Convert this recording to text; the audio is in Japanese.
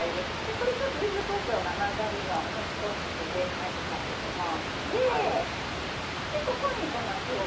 これちょっとゆずこしょうが混ざるように少し手でなじませてもんでここにこの塩しといたさわらを入れますよ。